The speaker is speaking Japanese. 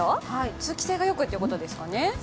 通気性が良くってことですかね。